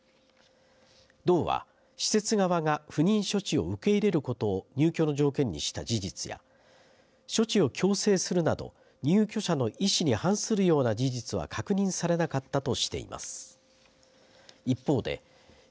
道は、施設側が不妊処置を受け入れることを入居の条件にした事実や処置を強制するなど入居者の意思に反するような事実は確認されなかったとしています。